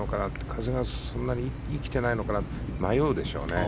風がそんなに生きてないのかなと迷うでしょうね。